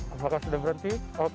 apakah sudah berhenti